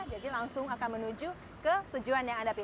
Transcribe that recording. langsung akan menuju ke tujuan yang anda pilih